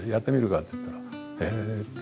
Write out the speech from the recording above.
って言ったら、ええって。